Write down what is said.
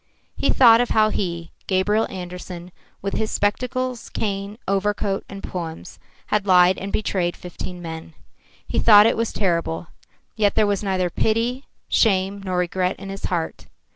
He thought of how he, Gabriel Andersen, with his spectacles, cane, overcoat and poems, had lied and betrayed fifteen men. He thought it was terrible, yet there was neither pity, shame nor regret in his heart.